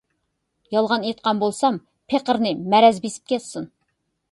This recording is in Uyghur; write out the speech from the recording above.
يالغان ئېيتقان بولسام، پېقىرنى مەرەز بېسىپ كەتسۇن.